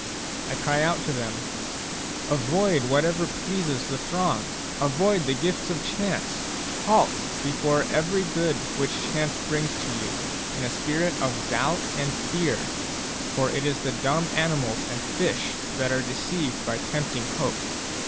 I cry out to them :« Avoid whatever pleases the throng : avoid the gifks of Chance ! Halt before every good which Chance brings to you, in a spirit of doubt and fear ; for it is the dumb animals and fish that are de ceived by tempting hopes.